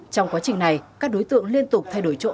trong quá trình này các đối tượng liên tục thay đổi chỗ